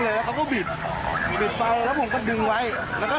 คือผมเห็นเขาเจอไหมล่ะถามทางกินรถ